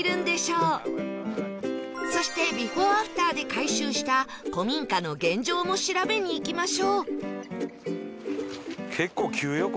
そして『ビフォーアフター』で改修した古民家の現状も調べに行きましょう